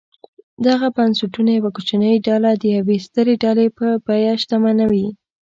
دغه بنسټونه یوه کوچنۍ ډله د یوې سترې ډلې په بیه شتمنوي.